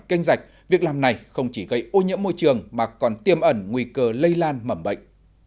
kênh rạch việc làm này không chỉ gây ô nhiễm môi trường mà còn tiêm ẩn nguy cơ lây lan mẩm bệnh